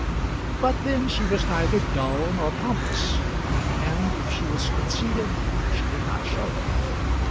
but then she was neither dull nor pompous, and if she was conceited, she did not show it.